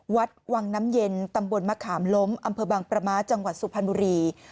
วัดวังน้ำเย็นตำบลมะขามล้มอำเภอบางประม้าจังหวัดสุพรรณบุรี